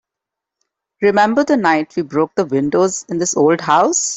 Remember the night we broke the windows in this old house?